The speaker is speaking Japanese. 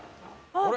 あれ？